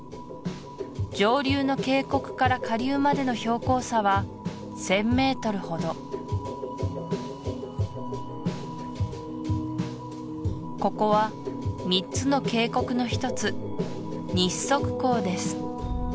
上流の渓谷から下流までの標高差は１０００ｍほどここは３つの渓谷のひとつ日則溝です